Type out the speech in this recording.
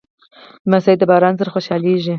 لمسی د باران سره خوشحالېږي.